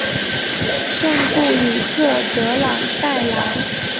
圣布里克德朗代莱。